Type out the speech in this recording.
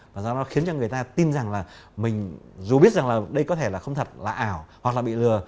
và do đó khiến cho người ta tin rằng là mình dù biết rằng là đây có thể là không thật là ảo hoặc là bị lừa